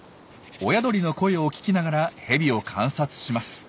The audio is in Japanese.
親鳥の声を聞きながらヘビを観察します。